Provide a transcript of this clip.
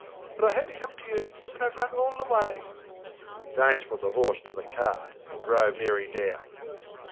But I had to come to you, anŌĆÖ IŌĆÖve run all the way. ŌĆÖ James put the horse to the cart and drove Mary down.